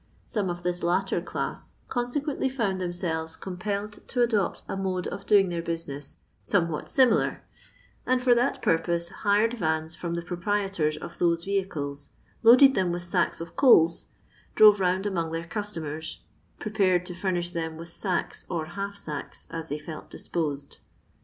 Some of this latter class con sequently found themselves compelled to adopt a mode of doing their business somewhat similar, and for that purpose hired vans from the proprietors of those vehicles, loaded them with sacks of coals, drove round among their customers, prepared to fbmish them with sacks or half sacks, as they felt disposed.